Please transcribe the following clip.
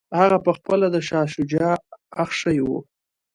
هغه پخپله د شاه شجاع اخښی وو.